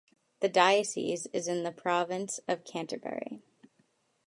The diocese is in the Province of Canterbury.